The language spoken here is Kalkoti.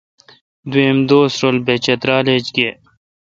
دوئم دوس رل بہ چترال ایچ گے۔